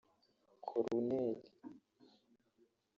Koruneri